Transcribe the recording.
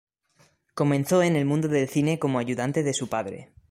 Comenzó en el mundo del cine como ayudante de su padre.